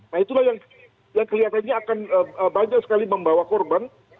nah itulah yang kelihatannya akan banyak sekali membawa korban